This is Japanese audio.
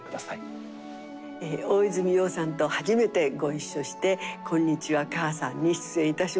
大泉洋さんと初めてご一緒して『こんにちは、母さん』に出演致しました。